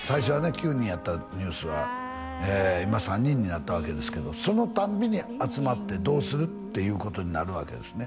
９人やったＮＥＷＳは今３人になったわけですけどそのたんびに集まってどうするっていうことになるわけですね